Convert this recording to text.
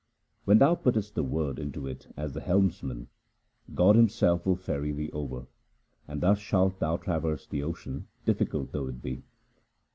When thou puttest the Word into it as the helmsman, God Himself will ferry thee over, and thus shalt thou traverse the ocean, difficult though it be.